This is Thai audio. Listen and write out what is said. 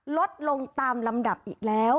ลดลงตามลำดับอีกแล้ว